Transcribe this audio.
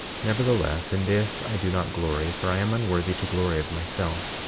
23:11 Nevertheless, in this I do not glory, for I am unworthy to glory of myself.